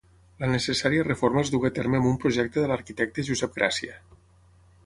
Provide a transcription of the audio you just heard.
La necessària reforma es dugué a terme amb un projecte de l’arquitecte Josep Gràcia.